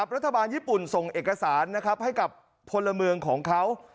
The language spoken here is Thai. รัฐบาลญี่ปุ่นส่งเอกสารให้กับพลเมืองของเขา